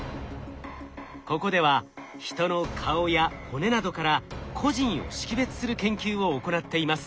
ここでは人の顔や骨などから個人を識別する研究を行っています。